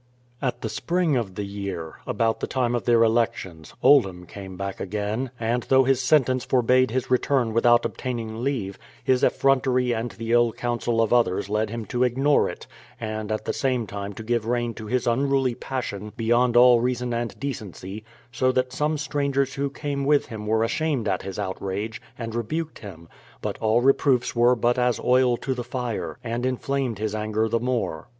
At the spring of the year, about the time of their elec tions, Oldham came back again, and, though his sentence forbade his return without obtaining leave, his effrontery and the ill counsel of others led him to ignore it, and at the same time to give rein to his unruly passion beyond all reason and decency, so that some strangers who came with him were ashamed of his outrage, and rebuked him, but all reproofs were but as oil to the fire, and enflamed his anger the more.